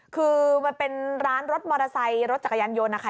คือมันเป็นร้านรถมอเตอร์ไซค์รถจักรยานยนต์นะคะ